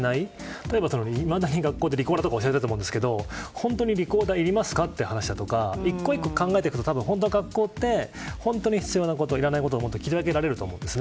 例えばいまだに学校でリコーダーとか教えていますが本当にリコーダーっていりますか？っていう話で１個１個考えると学校って本当に必要なこといらないことが切り分けられると思うんです。